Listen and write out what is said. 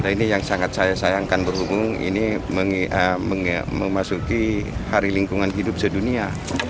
ini yang sangat saya sayangkan berhubung ini memasuki hari lingkungan hidup sedunia